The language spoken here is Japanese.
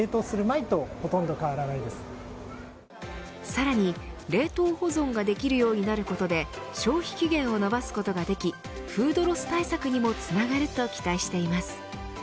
さらに冷凍保存ができるようになることで消費期限を延ばすことができフードロス対策にもつながると期待しています。